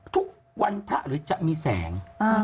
ทุกวันพระหรือจะมีแสง